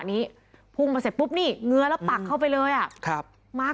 นี้พุ่งมาเสร็จปุ๊บนี่เงื้อแล้วปักเข้าไปเลยอ่ะครับมาร์ค